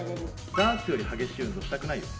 ダーツより激しい運動したくないよ